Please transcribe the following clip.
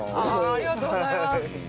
ありがとうございます。